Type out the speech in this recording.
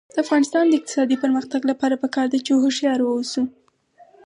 د افغانستان د اقتصادي پرمختګ لپاره پکار ده چې هوښیار اوسو.